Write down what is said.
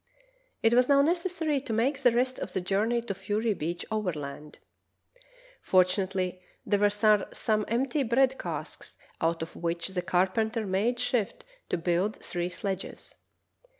It was now necessar}^ to make the rest of the journey to Fury Beach overland. Fortunately there were some empty bread casks out of which the carpenter made shift to build three sledges.